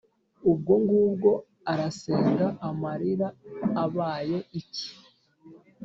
Ubwo ngubwo arazenga amarira abaye iki